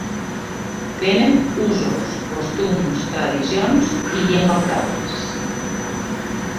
Tenen usos, costums, tradicions i llengua propis.